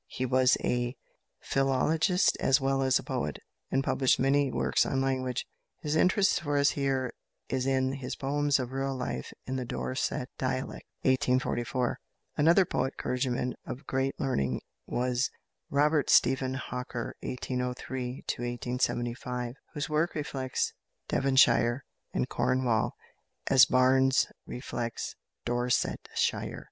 He was a philologist as well as a poet, and published many works on language. His interest for us here is in his "Poems of Rural Life in the Dorset Dialect" (1844). Another poet clergyman of great learning was =Robert Stephen Hawker (1803 1875)= whose work reflects Devonshire and Cornwall as Barnes' reflects Dorsetshire.